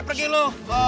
eh pergi lo